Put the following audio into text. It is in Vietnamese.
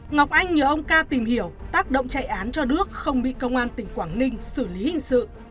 ngọc anh nhờ ông ca tìm hiểu tác động chạy án cho đước không bị công an tỉnh quảng ninh xử lý hình sự